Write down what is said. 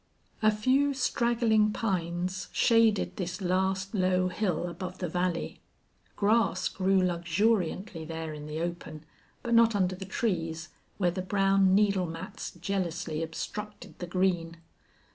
A few straggling pines shaded this last low hill above the valley. Grass grew luxuriantly there in the open, but not under the trees, where the brown needle mats jealously obstructed the green.